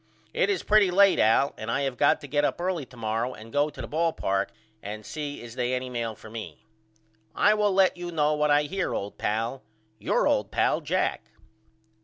It is pretty late Al and I have got to get up early to morrow and go to the ball park and see is they any mail for me. I will let you know what I hear old pal. Your old pal, JACK.